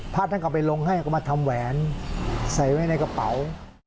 พระต่างกับจัครหลงให้มาทำแวงใส่ไว้ในกระเป๋า